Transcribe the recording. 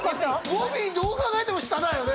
ボビーどう考えても下だよね